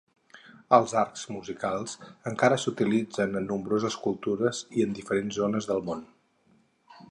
Els arcs musicals encara s'utilitzen en nombroses cultures, i en diferents zones del món.